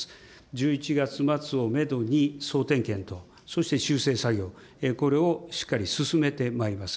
１１月末をメドに、総点検と、そして修正作業、これをしっかり進めてまいります。